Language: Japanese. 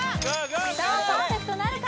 さあパーフェクトなるか？